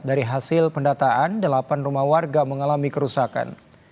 dari hasil pendataan delapan rumah warga mengalami kerusakan